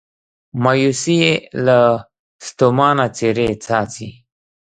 مایوسي یې له ستومانه څیرې څاڅي